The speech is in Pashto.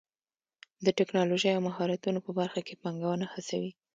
د ټکنالوژۍ او مهارتونو په برخه کې پانګونه هڅوي.